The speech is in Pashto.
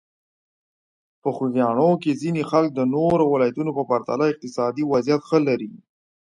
په خوږیاڼي کې ځینې خلک د نورو ولایتونو په پرتله اقتصادي وضعیت ښه لري.